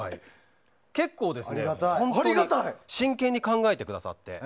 結構、本当に真剣に考えてくださって。